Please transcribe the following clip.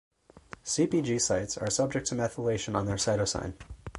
CpG sites are subject to methylation on their cytosine.